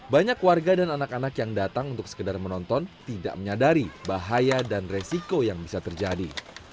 banyak warga dan anak anak yang datang untuk sekedar menonton tidak menyadari bahaya dan resiko yang bisa terjadi